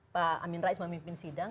pak amin rais memimpin sidang